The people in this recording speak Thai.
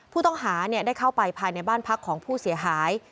ผู้ต้องหาได้เข้าไปภายในบ้านพักของผู้เสียหาย